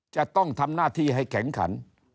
จะต้องทำหน้าที่ให้แข็งขัน